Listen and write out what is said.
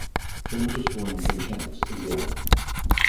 Jones was born in Vincennes, Indiana.